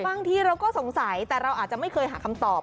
บางทีเราก็สงสัยแต่เราอาจจะไม่เคยหาคำตอบ